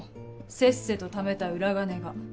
せっせとためた裏金が。